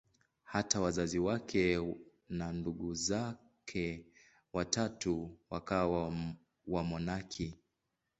Hata wazazi wake na ndugu zake watatu wakawa wamonaki.